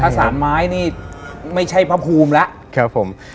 โอ้ถ้าศาลไม้นี่ไม่ใช่ภพูมแล้ว